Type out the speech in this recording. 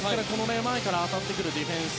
前から当たってくるディフェンス。